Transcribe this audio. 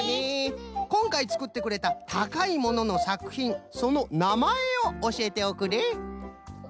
こんかいつくってくれた「たかいもの」のさくひんそのなまえをおしえておくれ。